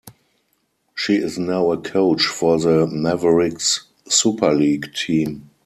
She is now a coach for the Mavericks Superleague team.